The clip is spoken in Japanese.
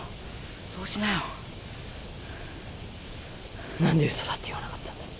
そうしなよ。何で嘘だって言わなかったんだ？